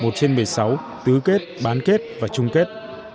một trên một mươi sáu tứ kết bán kết và chung kết